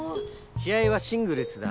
し合はシングルスだ。